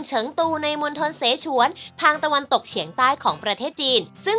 หรือใช้กล้องกัน